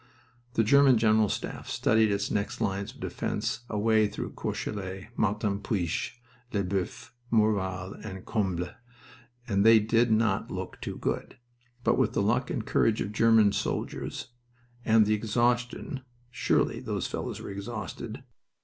The German General Staff studied its next lines of defense away through Courcelette, Martinpuich, Lesboeufs, Morval, and Combles, and they did not look too good, but with luck and the courage of German soldiers, and the exhaustion surely those fellows were exhausted!